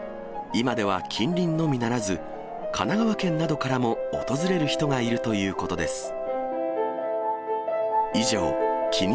今では近隣のみならず、神奈川県などからも訪れる人がいるということです。